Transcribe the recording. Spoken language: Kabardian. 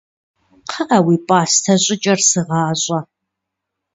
КхъыӀэ, уи пӀастэ щӀыкӀэр сыгъащӀэ!